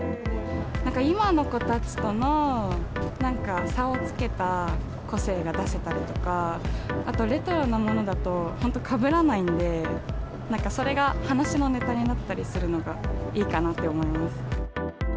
今の子たちとのなんか差をつけた個性が出せたりとか、あと、レトロなものだと本当かぶらないんで、なんかそれが話のねたになったりするのがいいかなって思います。